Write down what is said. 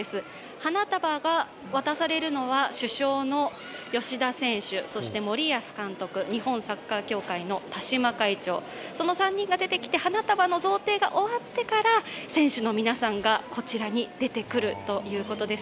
花束が渡されるのは主将の吉田選手、そして森保監督、日本サッカー協会の田嶋会長、その３人が出てきて、花束の贈呈が終わってから、選手の皆さんがこちらに出てくるということです。